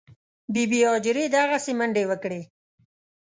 بي بي هاجرې دغسې منډې وکړې.